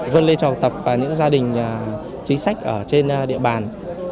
vân lê trọng tập và những gia đình trí sách ở trên địa bàn